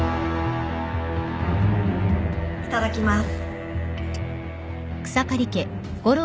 いただきます。